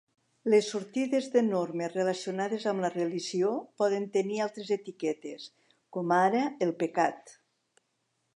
Les sortides de normes relacionades amb la religió poden tenir altres etiquetes, com ara el pecat.